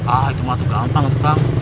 ah itu matu gampang kang